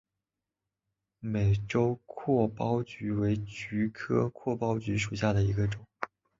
美洲阔苞菊为菊科阔苞菊属下的一个种。